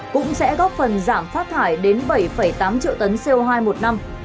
cũng sẽ góp phần giảm phát thải đến bảy tám triệu tấn co hai một năm